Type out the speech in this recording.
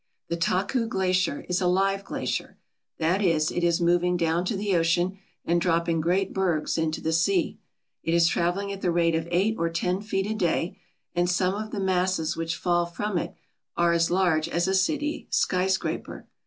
The Taku Glacier is a live glacier that is, it is moving down to the ocean and dropping great bergs into the sea. It is travelling at the rate of eight or ten feet a day and some of the masses which fall from it are as large as a city skyscraper.